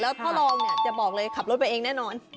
แล้วถ้าลองเนี่ยจะบอกเลยขับรถไปเองแน่นอน